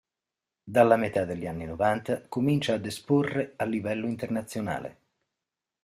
Dalla metà degli anni Novanta comincia ad esporre a livello internazionale.